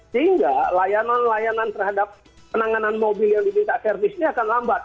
sehingga layanan layanan terhadap penanganan mobil yang diminta servis ini akan lambat